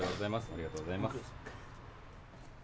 ありがとうございます。